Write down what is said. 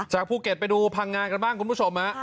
ภูเก็ตไปดูพังงากันบ้างคุณผู้ชมฮะ